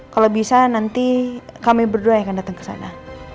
kalau bisa nanti kami berdua yang akan datang ke sana